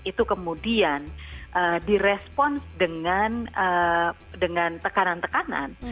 itu kemudian di respons dengan tekanan tekanan